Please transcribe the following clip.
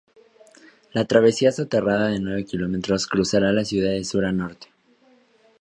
La travesía soterrada de nueve kilómetros cruzará la ciudad de sur a norte.